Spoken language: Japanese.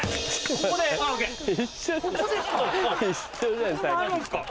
ここですか？